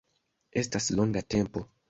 Estas longa tempo